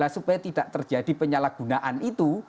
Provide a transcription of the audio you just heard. supaya tidak terjadi penyalahgunaan itu